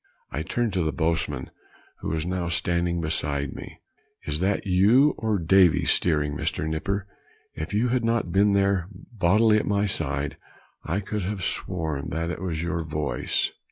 I turned to the boatswain, who was now standing beside me, "is that you or Davy steering, Mr. Nipper? if you had not been there bodily at my side, I could have sworn that was your voice."